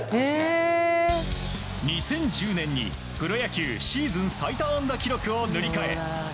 ２０１０年にプロ野球シーズン最多安打記録を塗り替え